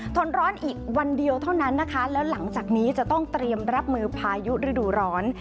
ทนร้อนอีกวันเดียวเท่านั้นนะคะแล้วหลังจากนี้จะต้องเตรียมรับมือพายุฤดูร้อน